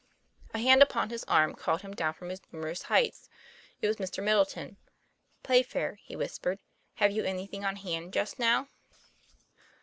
A hand upon his arm called him down from his humorous heights. It was Mr. Middleton. ;' Playfair," he whispered, "have you anything on hand just now?"